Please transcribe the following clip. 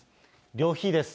旅費です。